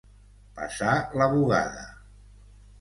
Passar la bugada.